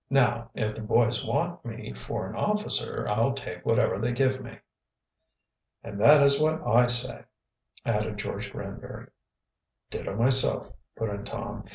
Now, if the boys want me for an officer I'll take whatever they give me." "And that is what I say," added George Granbury. "Ditto, myself," put in Tom.